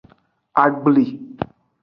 Agbli.